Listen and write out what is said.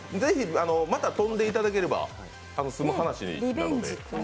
また飛んでいただければ済む話なので。